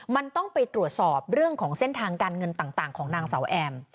มันต้องไปตรวจสอบเรื่องของเส้นทางการเงินต่างของนางสาวแอม